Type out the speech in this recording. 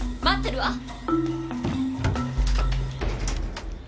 待ってるわ。